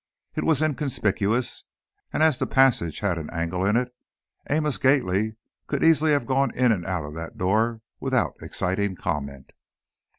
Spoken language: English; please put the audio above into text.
It was inconspicuous, and as the passage had an angle in it, Amos Gately could easily have gone in and out of that door without exciting comment.